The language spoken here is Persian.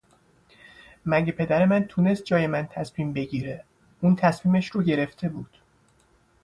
مگه پدر من تونست جای من تصمیم بگیره؟ اون تصمیمش رو گرفته بود